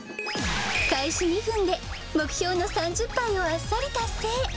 開始２分で、目標の３０杯をあっさり達成。